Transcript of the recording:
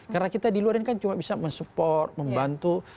karena kita di luar ini kan cuma bisa support membantu